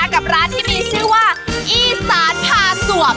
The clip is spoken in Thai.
กับร้านที่มีชื่อว่าอีสานพาสวบ